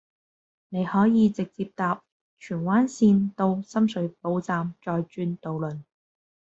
你可以直接搭荃灣綫到深水埗站再轉渡輪